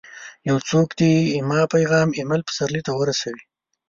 یو څوک دي زما پیغام اېمل پسرلي ته ورسوي!